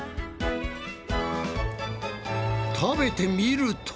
食べてみると？